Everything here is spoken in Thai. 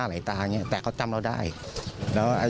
ชิ้นอยู่มานานแล้วใครจะรับ